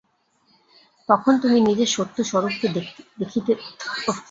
তখন তুমি নিজের সত্য স্বরূপকে দেখিতে পাইবে এবং নিজের অনন্ত সত্তাকে উপলব্ধি করিবে।